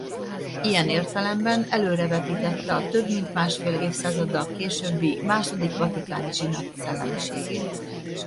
Ilyen értelemben előrevetítette a több mint másfél évszázaddal későbbi második vatikáni zsinat szellemiségét.